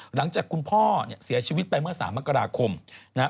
หลังจากคุณพ่อเนี่ยเสียชีวิตไปเมื่อ๓มกราคมนะฮะ